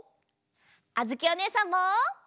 あづきおねえさんも。